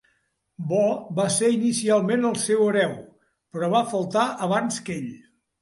Bo va ser inicialment el seu hereu, però va faltar abans que ell.